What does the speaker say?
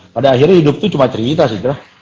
pada akhirnya hidup tuh cuma cerita sih hijrah